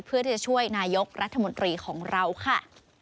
เพื่อที่จะช่วยนายกรัฐมนตรีของเราค่ะ